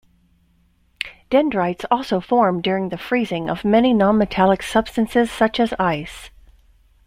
Dendrites also form during the freezing of many nonmetallic substances such as ice.